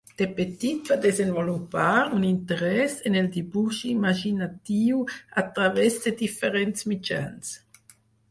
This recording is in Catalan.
De petit va desenvolupar un interès en el dibuix imaginatiu a través de diferents mitjans.